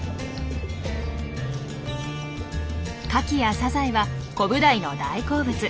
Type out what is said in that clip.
カキやサザエはコブダイの大好物。